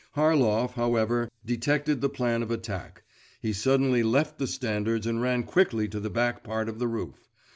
Harlov, however, detected the plan of attack; he suddenly left the standards and ran quickly to the back part of the roof.